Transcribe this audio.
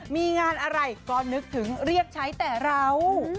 มีงานอะไรก็นึกถึงเรียกใช้แต่เรา